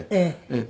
ええ。